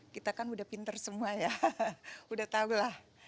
kita kan sudah pintar semua ya sudah tahu lah